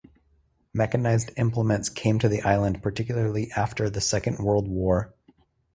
Mechanised implements came to the island, particularly after the Second World War.